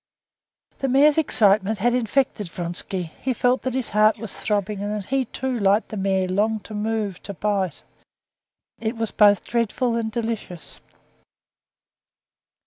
The mare's excitement had infected Vronsky. He felt that his heart was throbbing, and that he, too, like the mare, longed to move, to bite; it was both dreadful and delicious.